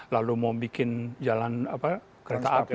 lalu mau bikin raya lalu mau bikin kereta api